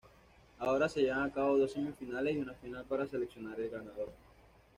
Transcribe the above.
Ahora se llevan a cabo dos semifinales y una final para seleccionar al ganador.